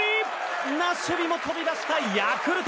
な守備も飛び出したヤクルト。